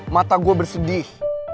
mata gue bersedih